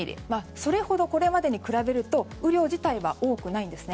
それほどこれまでに比べると雨量自体は多くないんですね。